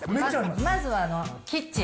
まずはキッチン。